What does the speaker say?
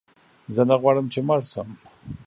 زه نه غواړم چې مړ شم.